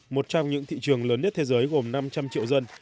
một trong những thị trường lớn nhất thế giới gồm năm trăm linh triệu dân